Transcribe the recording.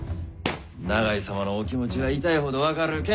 永井様のお気持ちは痛いほど分かる。